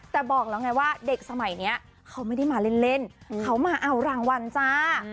แต่บอกแล้วไงว่าเด็กสมัยนี้เขาไม่ได้มาเล่นเขามาเอารางวัลจ้า